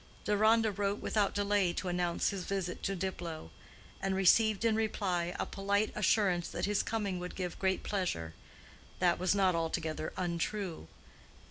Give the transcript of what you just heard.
Deronda wrote without delay to announce his visit to Diplow, and received in reply a polite assurance that his coming would give great pleasure. That was not altogether untrue.